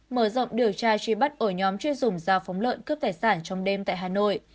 mở rộng điều tra truy bắt ổ nhóm chuyên dùng giao phóng lợn cướp tài sản trong đêm tại hà nội